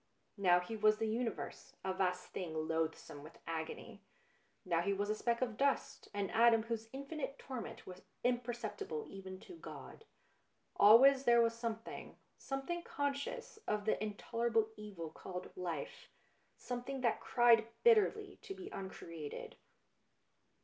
Now he was the universe, a vast thing loathsome with agony, now he was a speck of dust, an atom whose infinite torment was imper ceptible even to God. Always there was something something conscious of the in tolerable evil called life, something that cried bitterly to be uncreated.